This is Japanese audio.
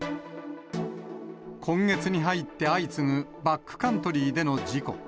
今月に入って相次ぐバックカントリーでの事故。